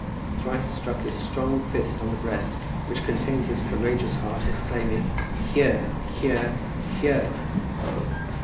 thrice struck his strong fist on the breast which contained his courageous heart, exclaiming, "Here, here, here!"